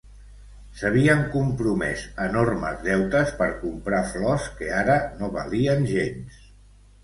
S'havien compromès enormes deutes per comprar flors que ara no valien gens.